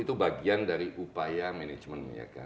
itu bagian dari upaya manajemen